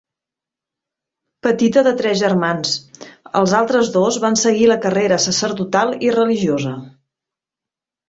Petita de tres germans, els altres dos van seguir la carrera sacerdotal i religiosa.